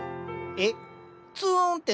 えっ？